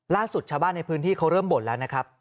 ล่าสุดชาวบ้านในพื้นที่เขาเริ่มบ่นแล้วนะครับ